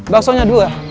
baksonya dulu ya